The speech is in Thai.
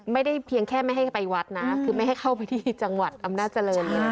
เพียงแค่ไม่ให้ไปวัดนะคือไม่ให้เข้าไปที่จังหวัดอำนาจริง